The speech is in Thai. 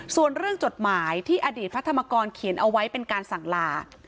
ส่วนเรื่องจดหมายที่อดีตพระธรรมกรเขียนเอาไว้เป็นการสั่งลา